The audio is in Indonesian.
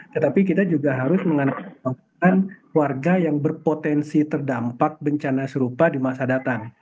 tetapi kita juga harus mengandung warga yang berpotensi terdampak bencana serupa di masa datang